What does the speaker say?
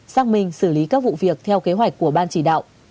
xác minh xử lý các vụ việc theo kế hoạch của ban chỉ đạo